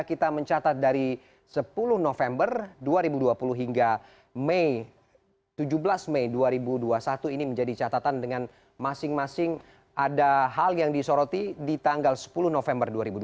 kita mencatat dari sepuluh november dua ribu dua puluh hingga mei tujuh belas mei dua ribu dua puluh satu ini menjadi catatan dengan masing masing ada hal yang disoroti di tanggal sepuluh november dua ribu dua puluh